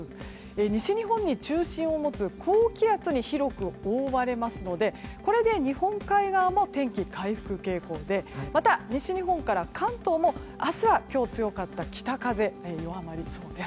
西日本に中心を持つ高気圧に広く覆われますのでこれで日本海側も天気が回復傾向でまた、西日本から関東も明日は今日強かった北風が弱まりそうです。